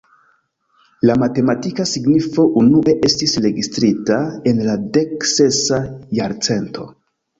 La matematika signifo unue estis registrita en la dek-sesa jarcento.